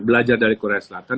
belajar dari korea selatan